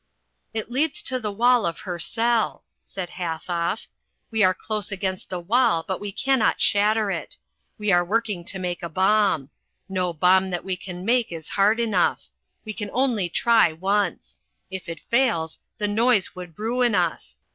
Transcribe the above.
"It leads to the wall of her cell," said Halfoff. "We are close against the wall but we cannot shatter it. We are working to make a bomb. No bomb that we can make is hard enough. We can only try once. If it fails the noise would ruin us.